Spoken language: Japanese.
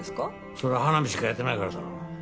そりゃ花火しかやってないからだろ。